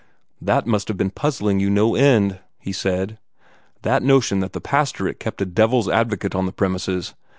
"That must have been puzzling you no end," he said "that notion that the pastorate kept a devil's advocate on the premises.